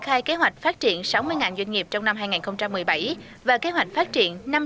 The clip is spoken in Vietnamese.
khai kế hoạch phát triển sáu mươi doanh nghiệp trong năm hai nghìn một mươi bảy và kế hoạch phát triển năm trăm linh